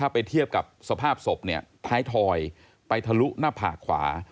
ไปทะลุหน้าผากขวา